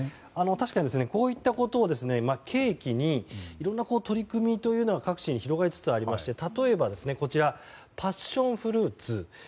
確かにこういったことを契機にいろんな取り組みが各地に広がりつつありまして例えば、パッションフルーツ。